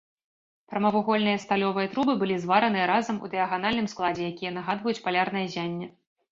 Прамавугольныя сталёвыя трубы былі звараныя разам у дыяганальным складзе, якія нагадваюць палярнае ззянне.